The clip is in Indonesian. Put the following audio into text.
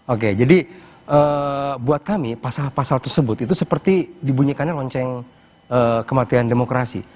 oke jadi buat kami pasal pasal tersebut itu seperti dibunyikannya lonceng kematian demokrasi